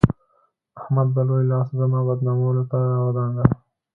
احمد به لوی لاس زما بدنامولو ته راودانګل.